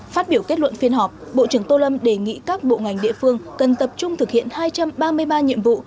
phát biểu kết luận phiên họp bộ trưởng tô lâm đề nghị các bộ ngành địa phương cần tập trung thực hiện hai trăm ba mươi ba nhiệm vụ